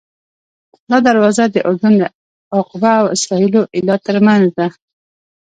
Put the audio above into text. دا دروازه د اردن د عقبه او اسرائیلو ایلات ترمنځ ده.